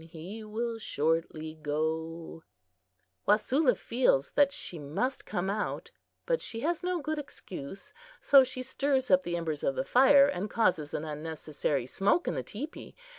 he will shortly go Wasula feels that she must come out, but she has no good excuse, so she stirs up the embers of the fire and causes an unnecessary smoke in the teepee.